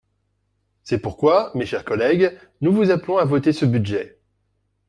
C’est pourquoi, mes chers collègues, nous vous appelons à voter ce budget.